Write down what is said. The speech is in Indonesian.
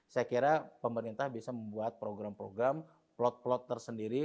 saya kira pemerintah bisa membuat program program plot plot tersendiri